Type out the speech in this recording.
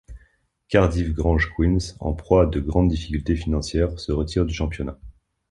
Cardiff Grange Quins en proie à de grandes difficultés financières se retire du championnat.